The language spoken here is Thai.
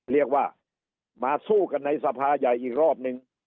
เรียกว่ามาสู้กันในสภาใหญ่อีกรอบนึง